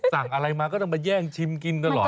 สั่งอะไรมาก็ต้องมาแย่งชิมกินตลอด